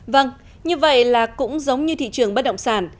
vâng như vậy là cũng giống như thị trường bất kỳ